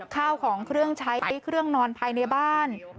ข้าวของเครื่องใช้ติ๊กเครื่องนอนภายในบ้าน